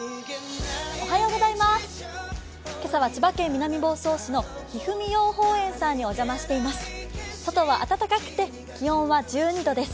今朝は千葉県南房総市のひふみ養蜂園さんにお邪魔しています。